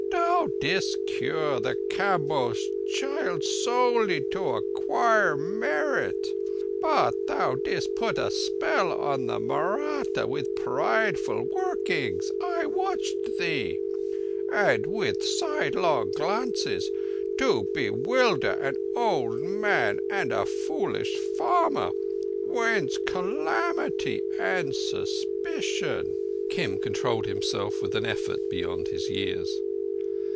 Thou didst cure the Kamboh's child solely to acquire merit. But thou didst put a spell on the Mahratta with prideful workings—I watched thee—and with sidelong glances to bewilder an old old man and a foolish farmer: whence calamity and suspicion." Kim controlled himself with an effort beyond his years.